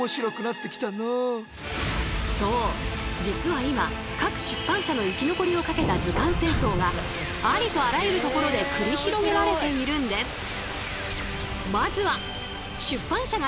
実は今各出版社の生き残りをかけた図鑑戦争がありとあらゆるところで繰り広げられているんです。